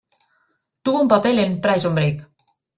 Tuvo un papel en "Prison Break".